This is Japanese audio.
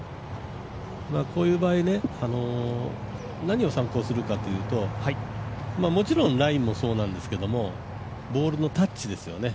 こういう場合何を参考するかというともちろんラインもそうなんですけど、ボールのタッチですよね。